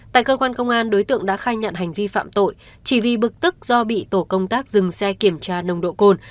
tại cơ quan công an đối tượng đã khai nhận hành vi phạm tội chỉ vì bực tức do bị tổ công tác dừng xe kiểm tra nồng độ cồn